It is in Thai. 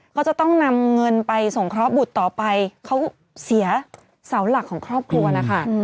เขาจะต้องนำเงินไปสงเคราะห์บุตรต่อไปเขาเสียเสาหลักของครอบครัวนะคะ